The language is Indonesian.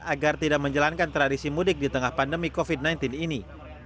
agar tidak menjalankan tradisi mudik di tengah pandemi covid sembilan belas ini